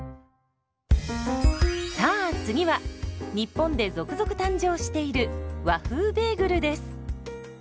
さあ次は日本で続々誕生している「和風ベーグル」です。